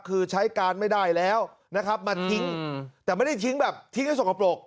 คือใช้การไม่ได้แล้วนะครับมาทิ้งแต่ไม่ได้ทิ้งแบบทิ้งให้สกปรก